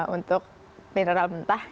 untuk mineral mentah